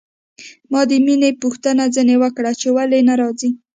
ما د مينې پوښتنه ځنې وکړه چې ولې نه راځي.